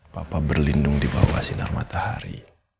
papa berlindung di bawah sinar matahari